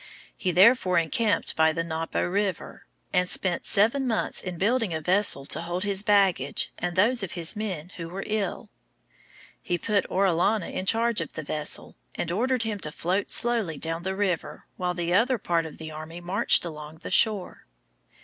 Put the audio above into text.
He therefore encamped by the Napo River, and spent seven months in building a vessel to hold his baggage and those of his men who were ill. He put Orellana in charge of the vessel, and ordered him to float slowly down the river while the other part of the army marched along the shore.